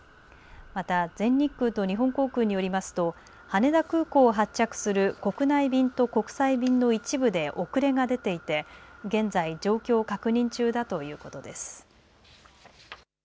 また全日空と日本航空によりますと羽田空港を発着する国内便と国際便の一部で遅れが出ていて現在、状況を確認中だということです。